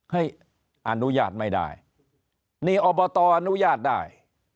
ให้อนุญาตไม่ได้นี่อบตอนุญาตได้